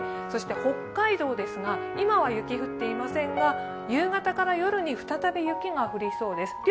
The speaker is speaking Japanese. そして北海道ですが、今は雪、降っていませんが夕方から夜に再び雪が降りそうです。